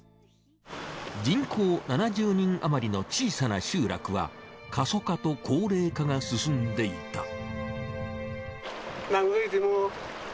人口７０人あまりの小さな集落は過疎化と高齢化が進んでいた。